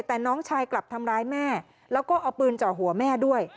แต่น้องชายกลับทำร้ายแม่แล้วก็เอาปืนเจาะหัวแม่ด้วย